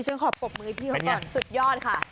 ดิฉันขอปลอบมือที่เพราะสุดยอดค่ะ